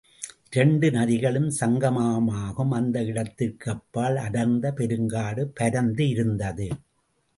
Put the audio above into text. இரண்டு நதிகளும் சங்கமமாகும் அந்த இடத்திற்கு அப்பால் அடர்ந்த பெருங்காடு பரந்து இருந்தது.